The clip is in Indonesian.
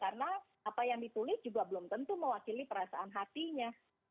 karena apa yang ditulis juga belum tentu mewakili perasaan hatinya